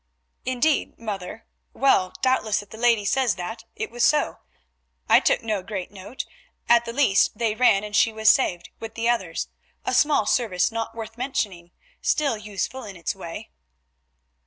"Indeed, mother; well, doubtless if the lady says that, it was so. I took no great note; at the least they ran and she was saved, with the others; a small service not worth mentioning, still useful in its way."